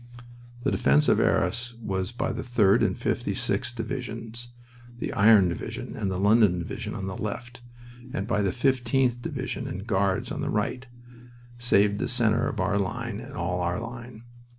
The defense of Arras by the 3d and 56th Divisions the Iron Division and the London Division on the left, and by the 15th Division and Guards on the right, saved the center of our line and all our line.